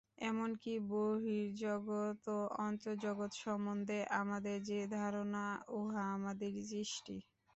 এমন কি বহির্জগৎ ও অন্তর্জগৎ সম্বন্ধে আমাদের যে ধারণা, উহা আমাদেরই সৃষ্টি।